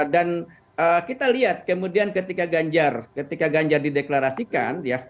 dan kita lihat kemudian ketika ganjar ketika ganjar dideklarasikan